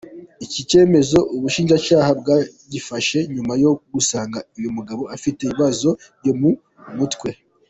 Iki cyemezo ubushinjacyaha bwagifashe nyuma yo gusanga uyu mugabo afite ibibazo byo mu mutwe.